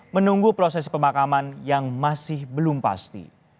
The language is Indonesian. menunggu proses pemakaman yang masih belum pasti